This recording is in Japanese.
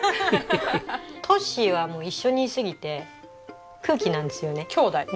トッシーはもう一緒にいすぎて空気なんですよね。